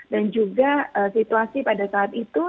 dan juga situasi pada saat itu